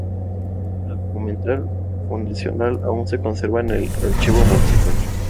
El documento fundacional aún se conserva en el archivo municipal.